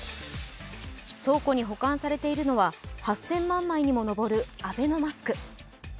倉庫に保管されているのは８０００万枚にも上るアベノマスク。